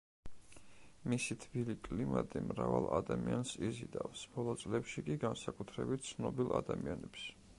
მისი თბილი კლიმატი მრავალ ადამიანს იზიდავს, ბოლო წლებში კი განსაკუთრებით ცნობილ ადამიანებს.